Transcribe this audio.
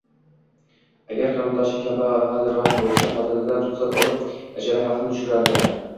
Agar qarindoshi kambag`alroq bo`lsa, xotinidan ruxsat olib ijara haqini tushirardi